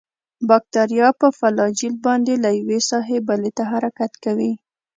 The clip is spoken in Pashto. باکتریا په فلاجیل باندې له یوې ساحې بلې ته حرکت کوي.